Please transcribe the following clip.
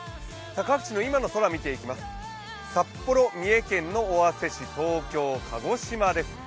各地の今の空、見ていきます、札幌、三重県の尾鷲市、東京、鹿児島です。